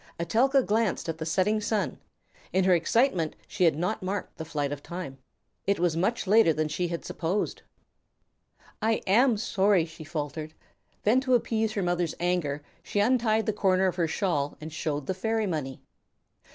Etelka glanced at the setting sun. In her excitement she had not marked the flight of time. It was much later than she had supposed. "I am sorry," she faltered. Then, to appease her mother's anger, she untied the corner of her shawl and showed the fairy money.